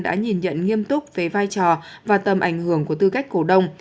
đã nhìn nhận nghiêm túc về vai trò và tầm ảnh hưởng của tư cách cổ đông